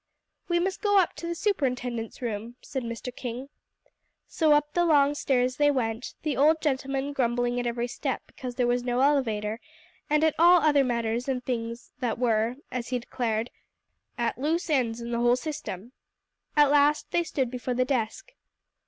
"We must go up into the superintendent's room," said Mr. King. So up the long stairs they went, the old gentleman grumbling at every step because there was no elevator, and at all other matters and things that were, as he declared, "at loose ends in the whole system." At last they stood before the desk.